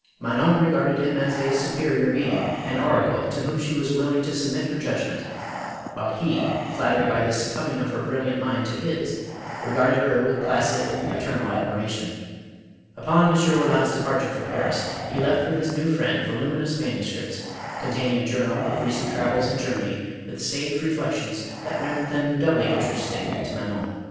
Manon regarded him as a superior being —• an oracle to whom she was willing to submit her judg ment; while he, flattered by the succumbing of her brilliant mind to his, regarded her with placid and pa ternal admiration. Upon M. Eoland's departure from Puris, he left with his new friend voluminous manuscripts containing a journal of recent travels in Germany, with sage reflec tions that rendered them doubly interesting to Manon.